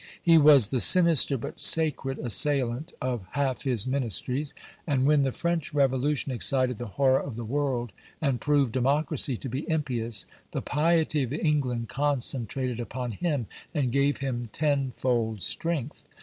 He was the sinister but sacred assailant of half his ministries; and when the French Revolution excited the horror of the world, and proved democracy to be "impious," the piety of England concentrated upon him, and gave him tenfold strength.